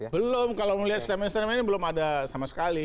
belum kalau melihat statement statementnya belum ada sama sekali